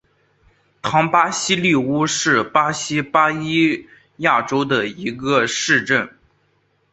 唐巴西利乌是巴西巴伊亚州的一个市镇。